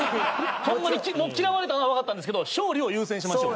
ほんまに嫌われたのはわかったんですけど勝利を優先しましょう。